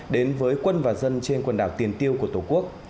đến với quân và dân trên quần đảo tiền tiêu của tổ quốc